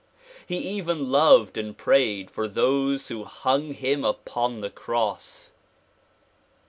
He even loved and prayed for those who hung him upon the cross.